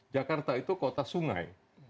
jakarta itu kota sungai